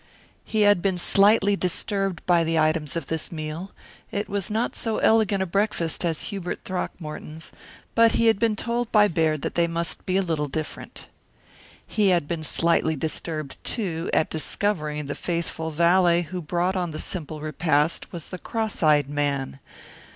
He had been slightly disturbed by the items of this meal; it was not so elegant a breakfast as Hubert Throckmorton's, but he had been told by Baird that they must be a little different. He had been slightly disturbed, too, at discovering the faithful valet who brought on the simple repast was the cross eyed man.